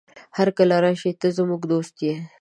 هرکله راشې، ته زموږ دوست يې.